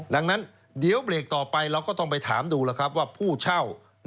ดังนั้นเดี๋ยวเบรกต่อไปเราก็ต้องไปถามดูแล้วครับว่าผู้เช่า